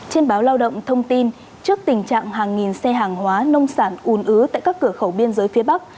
trên báo lao động thông tin trước tình trạng hàng nghìn xe hàng hóa nông sản ùn ứ tại các cửa khẩu biên giới phía bắc